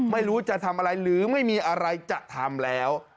ไม่รู้จะทำอะไรหรือไม่มีอะไรจะทำแล้ว